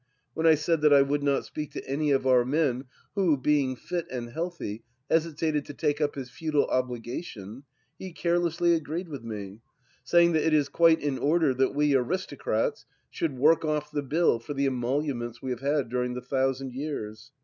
When I said that I would not speak to any one of our men who, being fit and healthy, hesitated to take up his feudal obligation, he carelessly agreed with me, saying that it is quite in order that we aristocrats should work off the bill for the emoluments we have had during a thousand years.